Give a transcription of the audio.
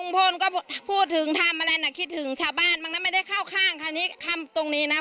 ก็อยู่ด้วยกันมาก็ไม่คิดว่าเขาจะไปปากรูปตีหลังกาแบบนี้นะถ้าอยากอยู่กันต่อไปก็ให้ออกมาวันนี้เลยในนิดนึงนะครับ